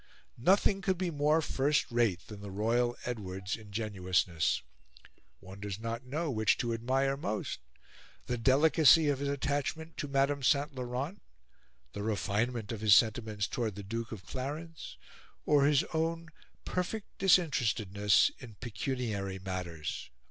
Nothing could be more first rate than the royal Edward's ingenuousness. One does not know which to admire most the delicacy of his attachment to Madame St. Laurent, the refinement of his sentiments towards the Duke of Clarence, or his own perfect disinterestedness in pecuniary matters."